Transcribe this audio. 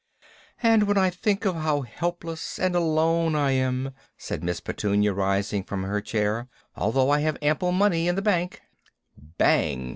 "And when I think of how helpless and alone I am," said Miss Petunia, rising from her chair, "although I have ample money in the bank " _Bang!